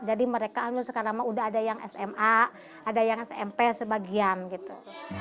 jadi mereka sekarang mah udah ada yang sma ada yang smp sebagian gitu